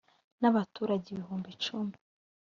n abaturage ibihumbi cumi